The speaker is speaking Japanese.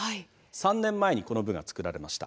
３年前に、この部が作られました。